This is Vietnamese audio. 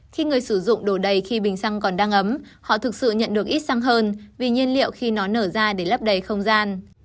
khi người sử dụng đổ đầy khi bình xăng còn đang ấm họ thực sự nhận được ít xăng hơn vì nhiên liệu khi nó nở ra để lấp đầy không gian